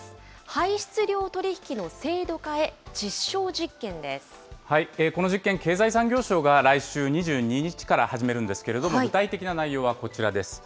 排出量取り引きの制度化へ実証実この実験、経済産業省が来週２２日から始めるんですけれども、具体的な内容はこちらです。